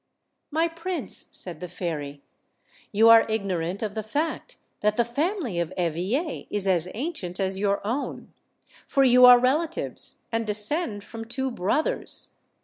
"My prince," said the fairy, "you are ignorant of the fact that the family of Eveille is as ancient as your own; for you are relatives, and descend from two brothers.